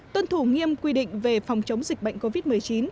tuân thủ nghiêm quy định về phòng chống dịch bệnh covid một mươi chín